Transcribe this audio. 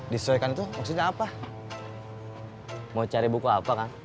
dari buku apa kang